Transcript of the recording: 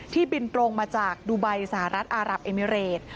บินตรงมาจากดูไบสหรัฐอารับเอมิเรต